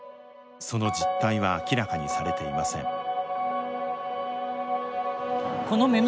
その実態は明らかにされていません。